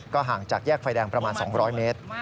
ห่างจากแยกไฟแดงประมาณ๒๐๐เมตร